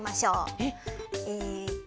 えっ！？えっと。